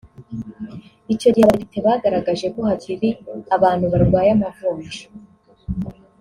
Icyo gihe Abadepite bagaragaje ko hakiri abantu barwaye amavunja